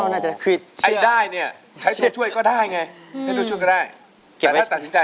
อะไรรู้คนช่วยก็ได้ไง